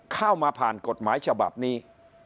เข้ามาผ่านกฎหมายฉบับนี้